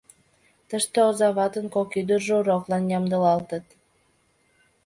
Тыште оза ватын кок ӱдыржӧ уроклан ямдылалтыт.